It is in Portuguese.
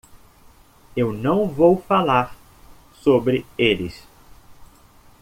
Eu não vou falar sobre eles.